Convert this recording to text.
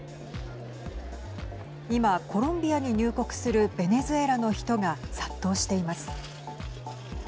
今、コロンビアに入国するベネズエラの人が殺到しています。